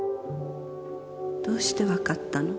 どうしてわかったの？